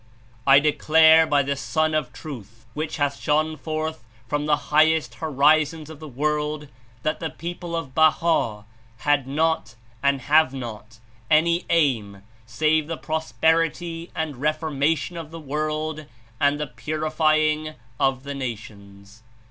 I declare by the Sun of Truth, which hath shone forth from the highest horizons of the world, that the people of Baha' had not and have not any aim save the prosperity and reformation of the world and the purifying of the nations."